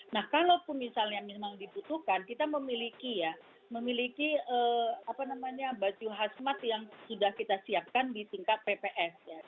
nah kalau pun misalnya memang dibutuhkan kita memiliki ya memiliki apa namanya baju hasmat yang sudah kita siapkan di tingkat pps